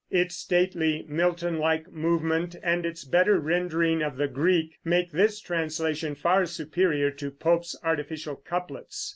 Its stately, Milton like movement, and its better rendering of the Greek, make this translation far superior to Pope's artificial couplets.